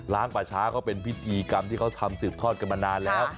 ป่าช้าเขาเป็นพิธีกรรมที่เขาทำสืบทอดกันมานานแล้ว